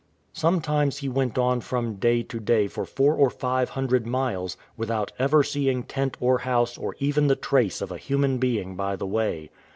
*" Sometimes he went on from day to day for four or five hundred miles, without ever seeing tent or house or even the trace of a human being by the way.